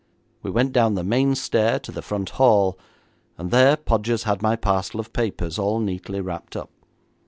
We went down the main stair to the front hall, and there Podgers had my parcel of papers all neatly wrapped up.